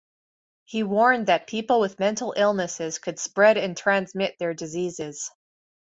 He warned that people with mental illnesses could spread and transmit their diseases.